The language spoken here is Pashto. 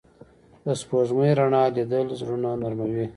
د سپوږمۍ رڼا لیدل زړونه نرموي